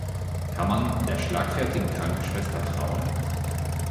Kann man der schlagfertigen Krankenschwester trauen?